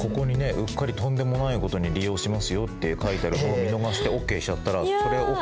うっかりとんでもないことに利用しますよって書いてあるのを見逃してＯＫしちゃったらそれはＯＫに。